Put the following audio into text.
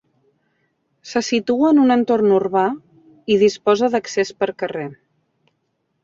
Se situa en un entorn urbà, i disposa d'accés per carrer.